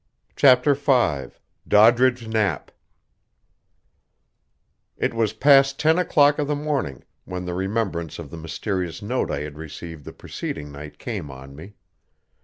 CHAPTER V DODDRIDGE KNAPP It was past ten o'clock of the morning when the remembrance of the mysterious note I had received the preceding night came on me.